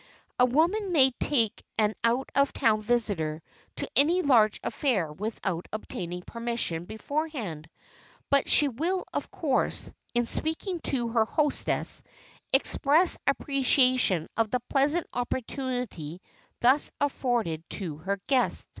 A woman may take an out of town visitor to any large affair without obtaining permission beforehand, but she will of course, in speaking to her hostess, express appreciation of the pleasant opportunity thus afforded to her guest.